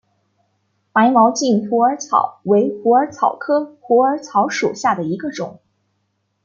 白毛茎虎耳草为虎耳草科虎耳草属下的一个种。